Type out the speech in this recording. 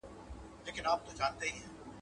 • چي کوچنى و نه ژاړي، مور تى نه ورکوي.